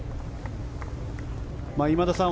今田さん